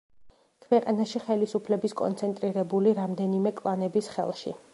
ქვეყანაში ხელისუფლების კონცენტრირებული რამდენიმე კლანების ხელში.